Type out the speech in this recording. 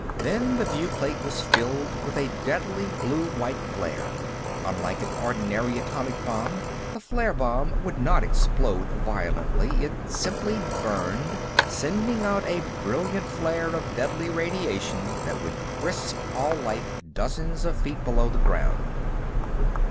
Then the viewplate was filled with a deadly blue white glare. Unlike an ordinary atomic bomb, the flare bomb would not explode violently; it simply burned, sending out a brilliant flare of deadly radiation that would crisp all life dozens of feet below the ground.